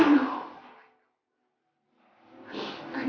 kita doakan andin